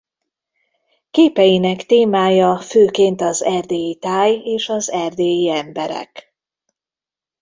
Képeinek témája főként az erdélyi táj és az erdélyi emberek.